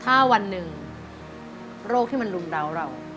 ถ้าวันหนึ่งโรคที่มันลุมดาวเรา